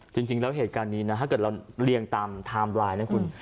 จริงแล้วเหตุการณ์นี้นะถ้าเกิดเราเรียงตามไทม์ไลน์นะคุณ